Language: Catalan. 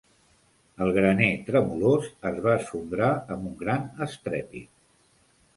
El graner tremolós es va esfondrar amb un gran estrèpit.